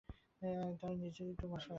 তার নিজেরই তো বাসা আছে।